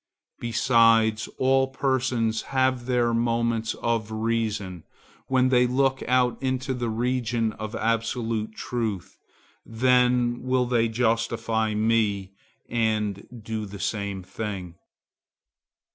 Besides, all persons have their moments of reason, when they look out into the region of absolute truth; then will they justify me and do the same thing.